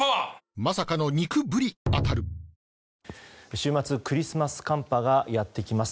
週末、クリスマス寒波がやってきます。